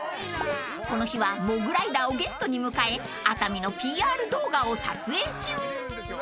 ［この日はモグライダーをゲストに迎え熱海のＰＲ動画を撮影中］